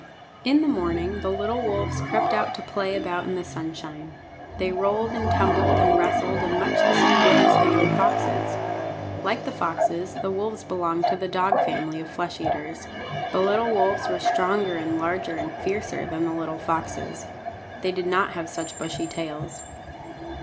In the morning the little wolves crept out to play about in the sunshine. They rolled and tumbled and wrestled in much the same way as the young foxes. Like the foxes the wolves belonged to the dog family of flesh eaters. The little wolves were stronger and larger and fiercer than the little foxes. They did not have such bushy tails.